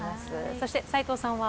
そして齋藤さんは？